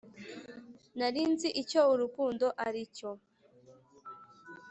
nari nzi icyo urukundo aricyo